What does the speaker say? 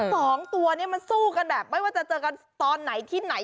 สองตัวนี้มันสู้กันแบบไม่ว่าจะเจอกันตอนไหนที่ไหน